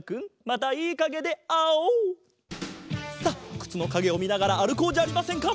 くつのかげをみながらあるこうじゃありませんか！